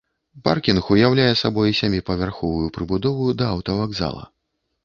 Паркінг уяўляе сабой сяміпавярховую прыбудову да аўтавакзала.